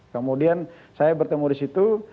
kemudian saya bertemu disitu